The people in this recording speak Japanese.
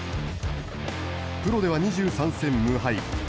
プロでは２３戦無敗。